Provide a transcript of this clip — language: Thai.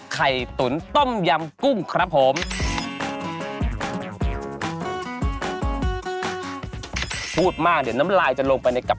ครับ